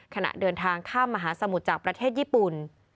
ขณะเดินทางข้ามมหาสมุทรจากประเทศญี่ปุ่น